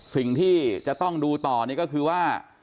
สิ่งที่จะต้องดูต่อนี่ก็คือว่า